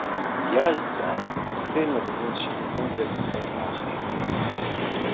Иазҵааит, зхы инаркны зшьапаҟынӡа икәатрабааха игылаз.